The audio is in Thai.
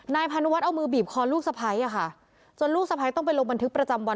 พานุวัฒน์เอามือบีบคอลูกสะพ้ายอะค่ะจนลูกสะพ้ายต้องไปลงบันทึกประจำวัน